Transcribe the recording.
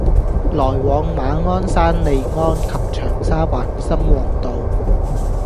來往馬鞍山（利安）及長沙灣（深旺道），